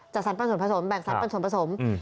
จะสร้างภาระส่วนผสมแบ่งหรือสร้างภาระส่วนผสม